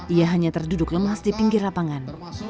ia hanya terduduk lemas di pinggir lapangan